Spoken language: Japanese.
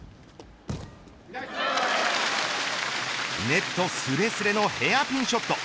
ネットすれすれのヘアピンショット。